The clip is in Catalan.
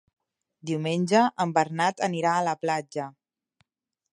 Diumenge en Bernat anirà a la platja.